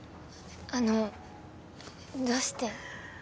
あのどうして？